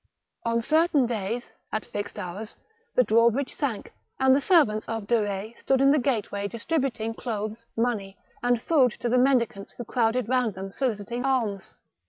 On certain days, at fixed hours, the drawbridge sank, and the servants of De Ketz stood in the gateway distributing clothes, money, and food to the mendicants who crowded round them soliciting alms.